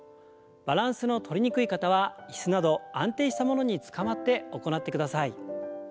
バランスのとりにくい方は椅子など安定したものにつかまって行ってください。